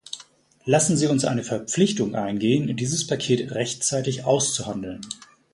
Lassen Sie uns eine Verpflichtung eingehen, dieses Paket rechtzeitig auszuhandeln.